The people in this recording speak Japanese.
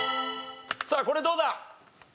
さあこれどうだ？